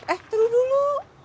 eh tunggu dulu